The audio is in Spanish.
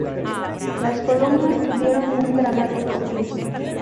Las colonias tuvieron un dramático fin.